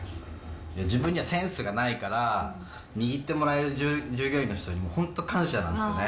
自分にはセンスがないから、握ってもらえる従業員の人に本当感謝なんですよね。